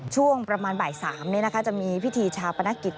ช่วงประมาณบ่าย๓จะมีพิธีชาปนกิจ